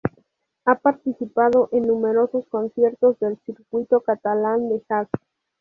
Ha participado en numerosos conciertos del circuito catalán de jazz.